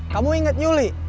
kamu inget yuli